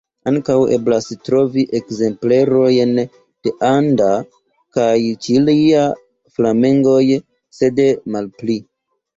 Ankaŭ eblas trovi ekzemplerojn de anda kaj ĉilia flamengoj, sed malpli.